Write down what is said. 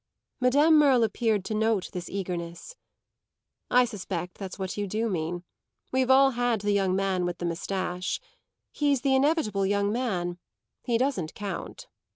Madame Merle appeared to note this eagerness. "I suspect that's what you do mean. We've all had the young man with the moustache. He's the inevitable young man; he doesn't count."